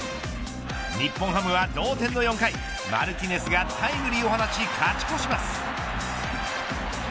日本ハムは同点の４回マルティネスがタイムリーを放ち勝ち越します。